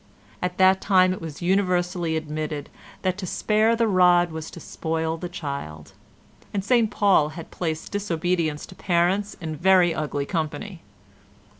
At that time it was universally admitted that to spare the rod was to spoil the child, and St Paul had placed disobedience to parents in very ugly company.